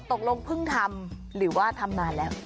ตกลงเพิ่งทำหรือว่าทำนานแล้ว